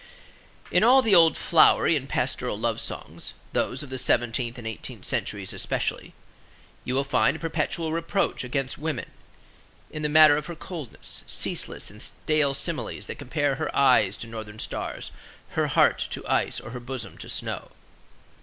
In all the old flowery and pastoral love songs, those of the seventeenth and eighteenth centuries especially, you will find a perpetual reproach against woman in the matter of her coldness; ceaseless and stale similes that compare her eyes to northern stars, her heart to ice, or her bosom to snow.